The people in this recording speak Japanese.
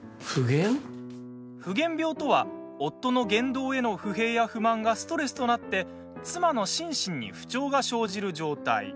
夫源病とは夫の言動への不平や不満がストレスとなって妻の心身に不調が生じる状態。